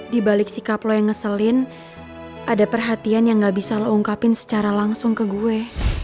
di balik sikap lo yang ngeselin ada perhatian yang gak bisa lo ungkapin secara langsung ke gue